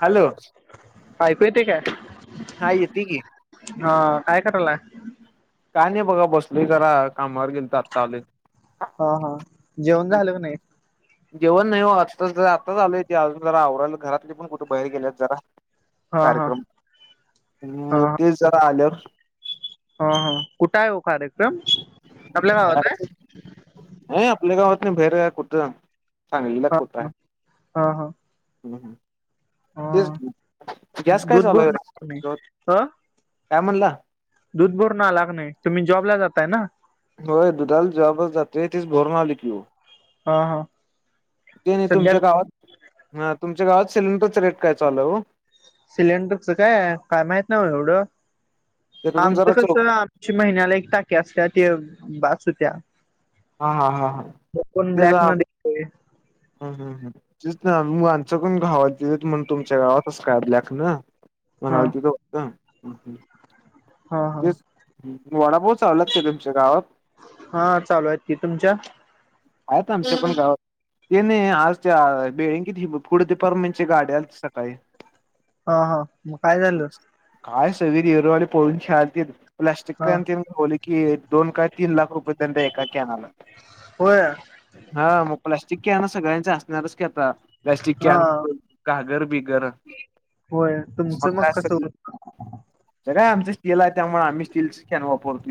Hello... ऐकू येतयं हा काय? येते की हा काय करालाय.? काय नाही बघा बसलोय जरा, कामावर गेलतो आत्ता आलोय. हा. हा... जेवणं झालं का नाही.? जेवण नाही हो आत्ताच जरा आत्ताच आलोय, ते अजून जरा आवरालोय, घरातली पण कुठं बाहेर गेल्यात जरा. हा हा कार्यक्रम हा मग हा ते जरा आल्यावर हा हा कुठ आहे हो कार्यक्रम? आपल्या गावात आहे नाही आपल्या गावातन बाहेर कुठं चांगली हा दाखवतय हा हा ह्म्म्म. तेच हा की गॅस काय दूध चालू आहे भरून आला का नाही रे [inaudible] काय म्हणला दुध भरून आला का नाही तुम्ही जॉबला जाताय ना? होय दुधाल जॉबलाच जातोय तीच भरून आलो की ओ. हा हा ते नाही सध्या तुमच्या गावात- ह तुमच्या गावात सिलेंडरचा रेट काय चाललं हो? सिलेंडरचं काय काय माहत नाय ओ एवढं ते पण आमचं जरा कस- चौक आमची महिन्याला एक टाकी असतीया ते बाास होतीया. हा हा हा हा. पण ब्लॅक ना [unintelligible] ह ह हा तेच ना मग आमच पण गावाात देत म्हणतो मी तुमच्या गावातच कस काय ब्लॅकन हा [unintelligible] हा हा तेच वडापाोव चालात का तुमच्या गावात? हा चालू आहेत. की तुमच्या? आहेत आमच्या पण गावात ते नाही आज त्या बँकेत पुढ डिपार्टमेंटच्या गाड्या आलत्या सकाळी हा हा मग काय झाल? काय सवीर एरेवाले पळून शाळेत गेले हा प्लास्टिकन ते- होली की एक दोन काय तीन लाख रुपये त्यांला एका कॅनाला. होय. हा मग प्लास्टिकॅना सगळ्यांचे असणारच की आता. प्लॅस्टिकची हा कैन घागर बिगर होय मग तुमचं काय कसं सगळ होत सग काय आमच स्टील आहे त्यामुळे आम्ही स्टीलची कॅन वापरतू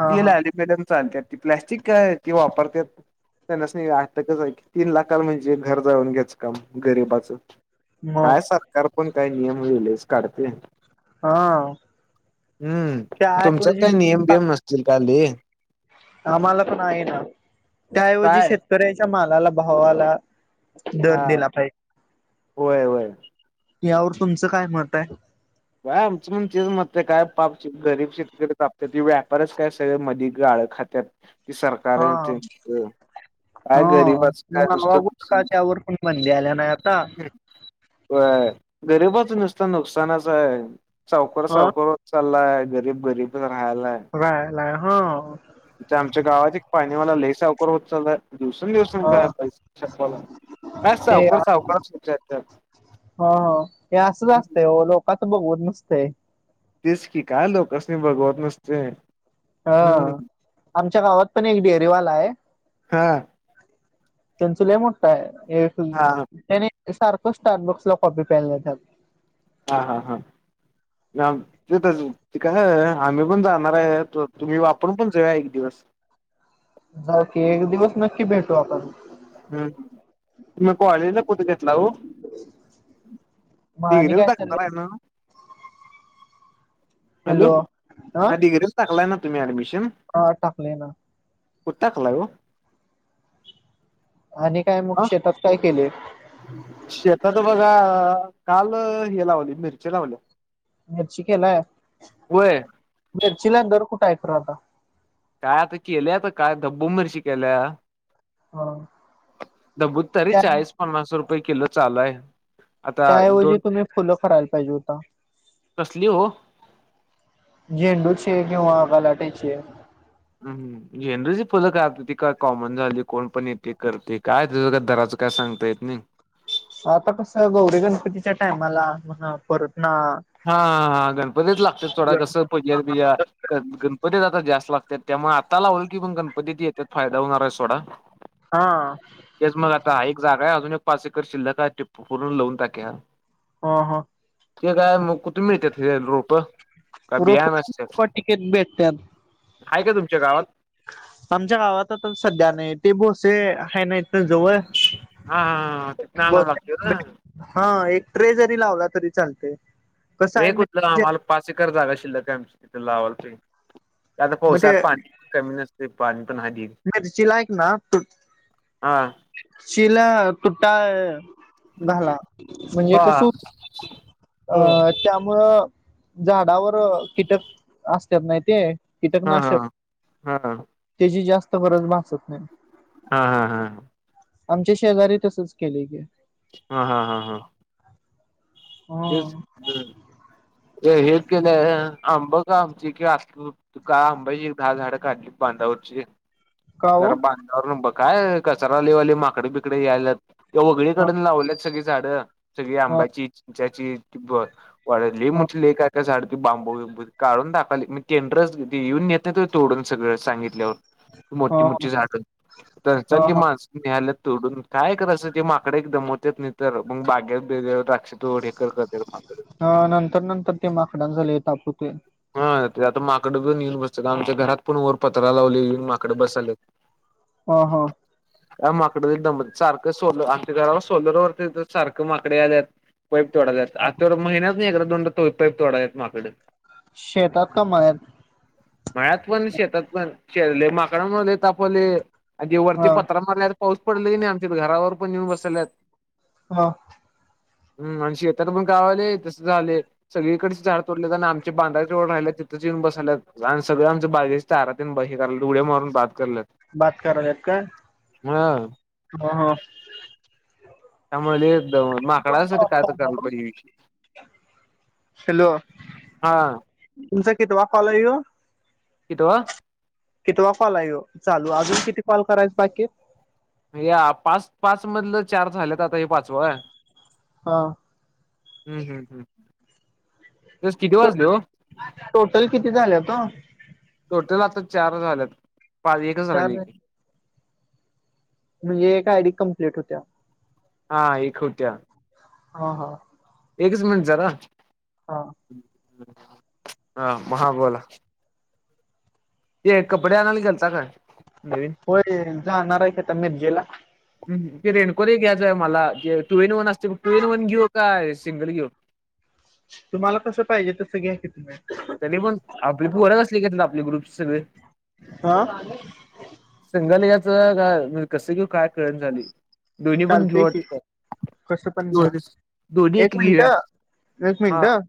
हा स्टील हा ल्युमिनियम चालत ती प्लॅस्टिक काय ते वापरतात [unintelligible] त्यांनाच नाही आता कस आहे की तीन लाखाला म्हणजे घर जाऊन घ्यायचं काम गरीब च मग काय सरकार पण काय नियम वेगळेच काढते. हा. हम्म तुमच्यात त्याऐवजी काही नियम बेयम नसतील काले? आम्हाला पण आहे ना त्याऐवजी काय शेत- तर याच्या मालाला भावा आला दर हा दिला होय होय पाहिजे. यावर तुमचं काय मत आहे? का आमचं पण ते मतय काय पाप गरीब शेतीकरी तापतेती व्यापारच काय सगळे कधी गाळ खात- त्या त सरकार हा य त्यांच काय हा गरीिबच काय नूसतं नावागोट का नुकसानच त्यावर पण बंदी आल्या नाही आता [unintelligible] व्हय गरीबाच नुसत नुकसानाच आहे सावकर ह सावकर- चालाय गरीब गरीबच राहायलाय. रहायलाय हो. इथ आमच्या गावात एक पाणी वाला लय सावकार होत चाललाय. दिवस दिवस काै का ते सावकर सावकारच होत आहे त्यात ह हे असच असतय. काता बघवत नुसतेय. तेच की काय लोकांनी बघवत नसते हा हम्म आमच्या गावात पण एक डेअरीवाला आहे? हा त्यांच लय मोठा हा [unintelligible] ते सारखं स्टार्टबुक्स ला कॉपी प्यायला जातंय हा हा हा नाय आमचं तिथं जाऊ ते कसं हाय आम्ही पण जाणार आहे तुम्ही आपण पण जाऊया एक दिवस ओके एक दिवस नक्की भेटू आपण तुम्ही कॉलेजला कुठे घेतलाय ओ मग आणि काय डिग्रीला टाकणार चाललंय आहे नव्ह हॅलो हा डिग्रीला टाकलाय ना तुम्ही ऍडमिशन हा टाकले ना कुठ टाकलाय ओ आणि काय मग हा शेतात काय केलय शेतात बघा काल हे लावलय मिर्च्या लावल्या मिरची केलाय होय मिर्चीला दर कुठं आहे खरा आता काय आता केलय आता काय ढब्बु मिर्ची केल्या हा ढब्बु तरी त्या चाळीस पन्नास रुपय किलो चालू आहे आता त्या ऐवजी दोन तुम्ही फुलं करायला पाहिजे होता कसली हो. झेंडूचे किंवा गलाटेचे हम हम. झेडुची फुल काय आता ती काय कॉमन झाली कोण पण येतय करतय काय दर दराचं काय सांगता येत नाही आता कसं गौरी गणपतीच्या टाईमाला आपुन परतना हा हा गणपतीत लागत्यात. सोडा कसं पूज्याला बिजा करत्यात [inaudible] गणपतीत आता जास्त लागत्यात त्यामुळे आता लावल की पण गणपतीत येत्यात फायदा होणार आहे सोडा हा. तेच मग आता एक जागा आहे अजून एक पाच एकर शिल्लक फुलं करून लावून टाकूया हा हा. काय मग कुठे मिळत्यात हे रोप काय बियान असत्यात. रोपवाटिकेत भेटतात हाय काय तुमच्या गावात? आमच्या गावात आता सध्या नाही ते बोसे हाय ना इथं जवळ हा हा तिथनं आणावं लागते ना [inaudible] हा एक ट्रे जरी लावला तरी चालतय ट्रे कुठल आम्हाला पाच ऐकर जागा शिल्लक हाय आमची इथे लावायला तर येल त्यात पावस हाय म्हणजे पाणी कमी नसतय पाणी पण हद्दीत मिर्चीला ऐक ना तू हा हा मिर्चीला तुटा घाला म्हणजे हा कस हुत्याय हो अ त्यामुळं झाडावर कीटक असत्यात नाही ते हा कीटकनाशक हा हा हा त्याची जास्त गरज भासत नाही हा हा हा. आमच्या शेजारी तसच केलेय कि हा हा हा हा. तेच ह हे केलंय आंबा का आमची कि असल तू का आंब्याची एक दहा झाडं काढली बांधावरची रे का तर हो बांधावर बघ काय कचरा लय व्हालय माकड बिकड यायल्यात ह उजवीकडून लावल्यात सगळी झाडं सगळी ह आंब्याची चिंचाची वाळली लय मोठी लय काढली काय झाड ते बांबू बिंबू काढून टाकलोय मी टेडरच ते येऊन नेत्यात बघ तोडून सगळं सांगितल्यावर ह मोठी ह मोठी झाड. [inaudible] तरी चल ह की ह माणसं न्याल्यात तोडून. काय करायचं ते माकडं एक दमवतात नाही तर, मग बागेत बिगेत द्रा तोड हे कर करत माकड अ नंतर नंतर ते माकडान झाले तापुते हा ते आता माकड घेऊन येईल. मस्त आमच्या घरात पण वर पत्रा लावले येऊन माकडे बसाल्येत. हा, हा. या माकड नाही दमत. सारखं सोलर आमच्या घराला सोलर वरती सारखं माकडे आल्यात. पाईप तोडालेत. आता महिनातन एकदा, दोनदा पाईप तोडालेत माकडं. शेतात का? मळ्यात? मळ्यात पण शेतात पण. शले माकडं म्हणे तापवले अ जे वरती हा पत्रा मारल्यात पाऊस पडले की नाही, आमच्या घरावर पण येेऊन बसल्यात. [inaudible] हा. हम् आणि शेतात पण गावाले तसं झाले, सगळीकडेच झाड तोडले अन् आम बांधाव राहिले तिथंच येऊन बसल्या. अन् आणि सगळं आमच्या बागेच्या तारात हे करावे उड्या मारून बाद करलेत. बात कराल्यात काय? [inaudible] हं त्यामुळे [unintelligible] माकडासाठी काय तर कराल पाहिजे विषय [inaudible] हॅलो [inaudible] हा तुमचा कितवा कॉल यो? कितीवा? कितीवा कॉल यो चालू? अजून किती कॉल करायचा बाकी. या पाच, पाच मधलं चार झालेत. आता हे पाचवं ये. अं हम्म हम् हम्. तेच किती टो- वाजले हो? टोटल किती झालेत ओ? टोटल आता चार झाल्यात. पाच एकच चार राहिले झाले. की. म्हणजे एक आयडी कम्प्लीट होत्या. हा एक होत्या. हा हा. एकच मिनिट जरा. हा. [unintelligible] हा महा बोला. ते कपडे आणायला गेलता ना. [inaudible] होय रे. जाणार आहे की त्या मिरजेला. ते रेणकोट एक घ्यायचंय मला. टू इन वन असते बघ. टू इन वन घेऊ काय, सिंगल घेऊ. तुम्हाला कसं पाहिजे, तसं घ्या की तुम्ही. तरी पण आपली पोर कसली घेतात आपले ग्रुप सगळे. [inaudible] हा सिंगल घ्यायचं का, कसं घेऊ काय कळत नाही झालंय, दोन्ही पण घेऊ चालतंय की वाटतंय. कसं पण दो घ्या. दोनी एक मिनिट घे. [inaudible] एक हा मिनिट